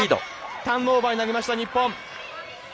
ターンオーバーになりました日本。